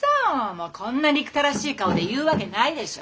もうこんな憎たらしい顔で言うわけないでしょ。